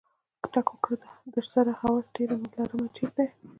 ټک ورکړه دسره هوس تیره لړمه چرته یې؟